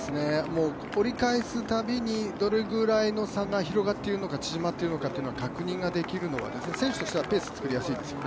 折り返すたびに、どれぐらいの差が広がっているのか縮まっているのか確認できるというのは選手としてペースが分かりやすいですよね。